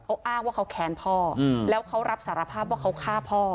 เขาอ้างว่าเขาแค้นพ่อแล้วเขารับสารภาพว่าเขาฆ่าพ่อ